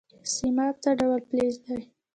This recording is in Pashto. سیماب څه ډول فلز دی؟